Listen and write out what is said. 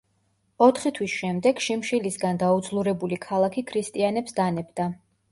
ოთხი თვის შემდეგ, შიმშილისგან დაუძლურებული ქალაქი ქრისტიანებს დანებდა.